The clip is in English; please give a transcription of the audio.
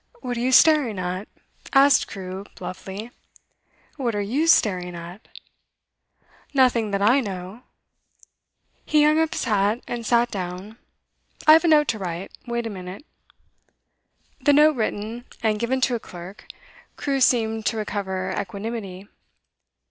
'What are you staring at?' asked Crewe bluffly. 'What are you staring at?' 'Nothing, that I know.' He hung up his hat, and sat down. 'I've a note to write; wait a minute.' The note written, and given to a clerk, Crewe seemed to recover equanimity.